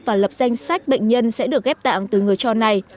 và lập danh sách bệnh nhân sẽ được ghép tạng từ người cho này